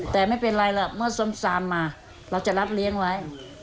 แต่ไม่เป็นไรล่ะเมื่อส้มซามมาเราจะรับเลี้ยงไว้